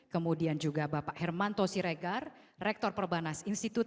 kemudian juga bapak hermanto siregar rektor perbanas institut